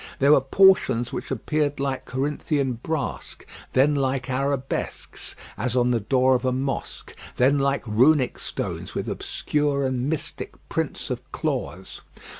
There were portions which appeared like Corinthian brass, then like arabesques, as on the door of a mosque; then like Runic stones with obscure and mystic prints of claws.